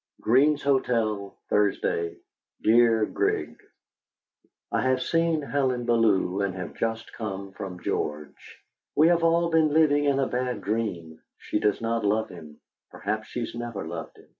"GREEN'S HOTEL, "Thursday. "DEAR GRIG, "I have seen Helen Bellew, and have just come from George. We have all been living in a bad dream. She does not love him perhaps has never loved him.